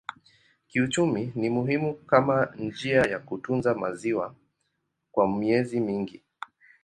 Kiuchumi ni muhimu kama njia ya kutunza maziwa kwa miezi mingi.